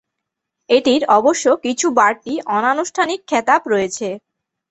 এটির অবশ্য কিছু বাড়তি অনানুষ্ঠানিক খেতাব রয়েছে।